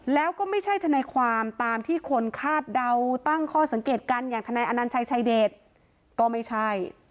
แล้วก็ไม่ใช่ทนายความตามที่คนคาดเดาตั้งข้อสังเกตกันอย่างทนายอนัญชัยชายเดชก็ไม่ใช่